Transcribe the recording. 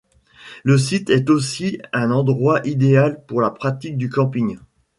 Le site est aussi un endroit idéal pour la pratique du camping.